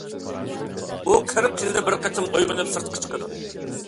ئۇ قىرىق يىلدا بىر قېتىم ئويغىنىپ سىرتقا چىقىدۇ.